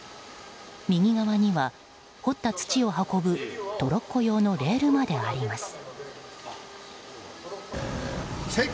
右側には堀った土を運ぶトロッコ用のレールまであります。